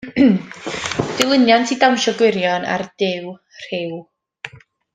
Dilyniant i Dawnsio Gwirion a'r Duw Rhyw.